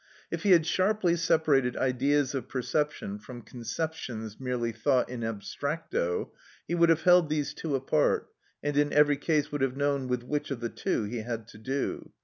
If he had sharply separated ideas of perception from conceptions merely thought in abstracto, he would have held these two apart, and in every case would have known with which of the two he had to do.